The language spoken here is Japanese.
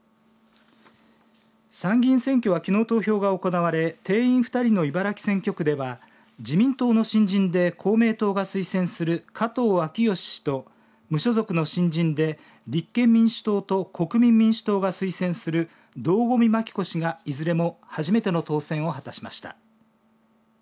参議院選挙はきのう投票が行われ定員２人の茨城選挙区では自民党の新人で公明党が推薦する加藤明良氏と無所属の新人で立憲民主党と国民民主党が推薦する堂込麻紀子氏が、いずれも初めての当選を果たしました。